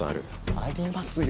ありますよ。